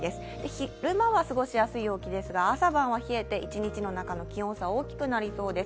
昼間は過ごしやすい陽気ですが、朝晩は冷えて、一日の中の気温差が大きくなりそうです。